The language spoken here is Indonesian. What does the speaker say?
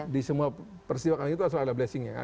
di semua peristiwa kali ini tuh selalu ada blessingnya